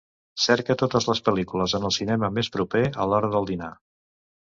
Cerca totes les pel·lícules en el cinema més proper a l'hora del dinar.